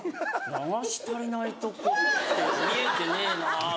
流し足りないとこって見えてねえなと思って。